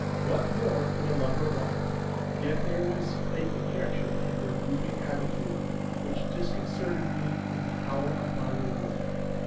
What more could a lover want? Yet there was a dejection in her drooping attitude which disconcerted me in the hour of my reward.